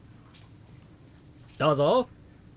どうぞ！